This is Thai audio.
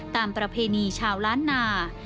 ประเพณีชาวล้านนา